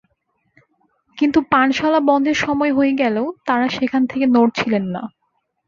কিন্তু পানশালা বন্ধের সময় হয়ে গেলেও, তাঁরা সেখান থেকে নড়ছিলেন না।